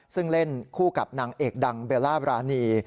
ซึ่งเล่นคู่กับนางเอกดังเบลล่าบรานี